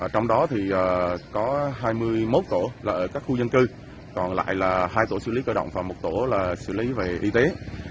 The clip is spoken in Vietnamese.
trong đó thì có hai mươi một tổ là ở các khu dân cư còn lại là hai tổ xử lý cơ động và một tổ là xử lý về y tế